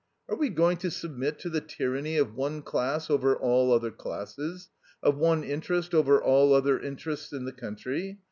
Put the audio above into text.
Are we going to submit to the tyranny of one class over all other classes, of one interest over all other interests in the country?